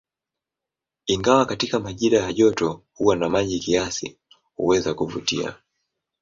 Ingawa katika majira ya joto huwa na maji kiasi, huweza kuvutia.